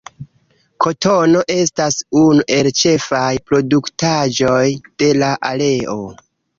Kotono estas unu el ĉefaj produktaĵoj de la areo.